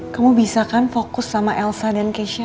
kamu bisa kan fokus sama elsa dan kesha